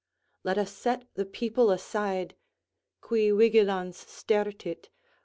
Let us set the people aside, Qui vigilans stertit